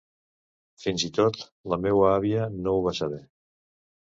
Fins i tot, la meua àvia no ho va saber.